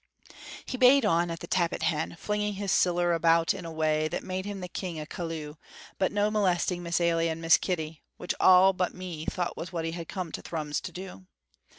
"He bade on at the Tappit Hen, flinging his siller about in the way that made him a king at Cullew, but no molesting Miss Ailie and Miss Kitty, which all but me thought was what he had come to Thrums to do.